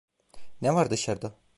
Ne var dışarda?